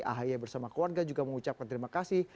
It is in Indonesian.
ahy bersama keluarga juga mengucapkan terima kasih